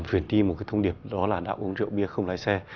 viền ti một cái thông điệp đó là đã uống rượu bia không lái xe